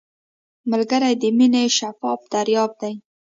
ملګری د مینې شفاف دریاب دی